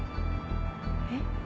えっ？